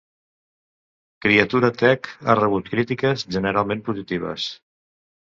"Criatura Tech" ha rebut crítiques generalment positives.